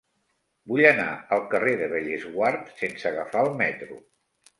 Vull anar al carrer de Bellesguard sense agafar el metro.